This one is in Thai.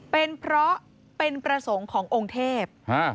เป็นเพราะเป็นประสงค์ขององค์เทพ